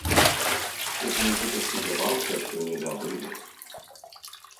У прынцыпе спадзяваўся, што не забылі.